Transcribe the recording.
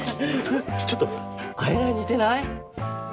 ちょっとあやなに似てない？